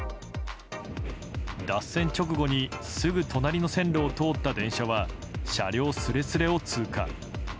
脱線直後にすぐ隣の線路を通った電車は車両すれすれを通過。